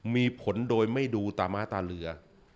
มีผลโดยไม่ดูตาม้าตาเรือ